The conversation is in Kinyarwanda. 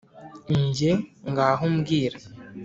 njye: ngaho mbwira